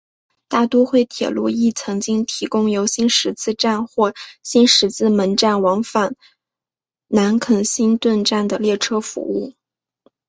大都会铁路亦曾经提供由新十字站或新十字门站往返南肯辛顿站的列车服务。